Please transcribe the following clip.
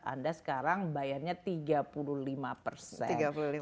anda sekarang bayarnya tiga puluh lima persen